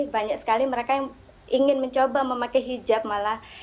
banyak sekali mereka yang ingin mencoba memakai hijab malah